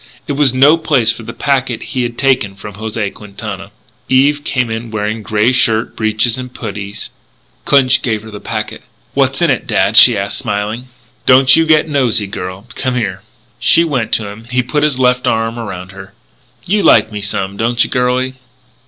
It was no place for the packet he had taken from José Quintana. Eve came in wearing grey shirt, breeches, and puttees. Clinch gave her the packet. "What's in it, dad?" she asked smilingly. "Don't you get nosey, girlie. Come here." She went to him. He put his left arm around her. "You like me some, don't you, girlie?"